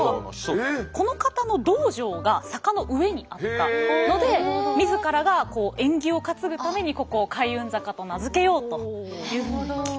この方の道場が坂の上にあったので自らが縁起を担ぐためにここを開運坂と名付けようというふうに決めた。